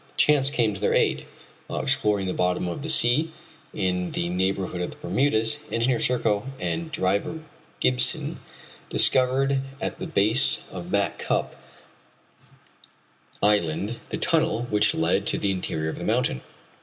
Chance came to their aid. While exploring the bottom of the sea in the neighborhood of the Bermudas, Engineer Serko and Driver Gibson discovered at the base of Back Cup island the tunnel which led to the interior of the mountain.